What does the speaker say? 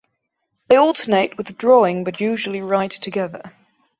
They alternate with drawing but usually write together.